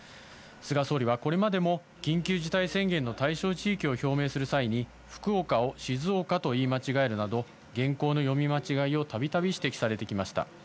菅総理はこれまでも緊急事態宣言の対象地域を表明する際に、福岡を静岡と言い間違えるなど、原稿の読み間違いをたびたび指摘されてきました。